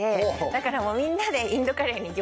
だからみんなで。